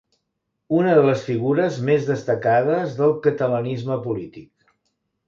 Una de les figures més destacades del catalanisme polític.